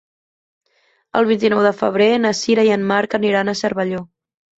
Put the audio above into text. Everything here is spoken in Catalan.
El vint-i-nou de febrer na Sira i en Marc aniran a Cervelló.